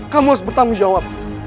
kamu harus bertanggung jawab